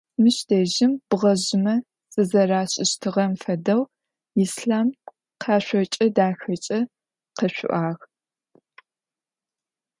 Мыщ дэжьым бгъэжъымэ зызэрашӏыщтыгъэм фэдэу Ислъам къэшъокӏэ дахэкӏэ къэшъуагъ.